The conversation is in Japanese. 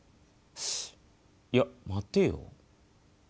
いや待てよ。